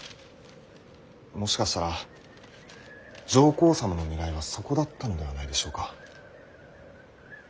もしかしたら上皇様のねらいはそこだったのではないでしょうか。